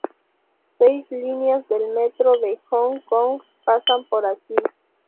Seis líneas del metro de Hong Kong pasan por aquí.